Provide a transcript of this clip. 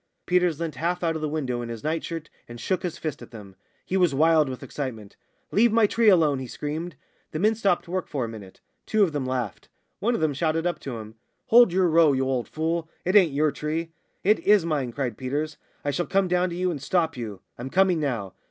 Peters leant half out of the window in his night shirt and shook his fist at them. He was wild with excitement. "Leave my tree alone!" he screamed. The men stopped work for a minute. Two of them laughed. One of them shouted up to him: "Hold your row, you old fool! It ain't your tree." "It is mine," cried Peters. "I shall come down to you and stop you. I'm coming now."